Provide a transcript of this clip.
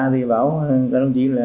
thì báo các đồng chí là